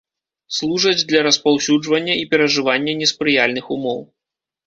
Служаць для распаўсюджвання і перажывання неспрыяльных умоў.